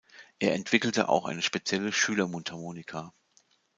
Er entwickelte auch eine spezielle Schüler-Mundharmonika.